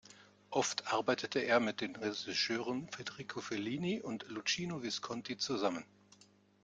Oft arbeitete er mit den Regisseuren Federico Fellini und Luchino Visconti zusammen.